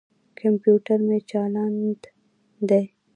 کمپیوټر مې چالاند دي.